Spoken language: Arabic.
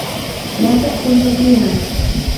لا تأكل كثيرا.